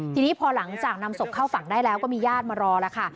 ทีนี้พอหลังจากนำศพเข้าฝั่งได้แล้วก็มีญาติมารอแล้วค่ะ